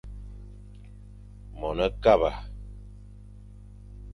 Mone kaba.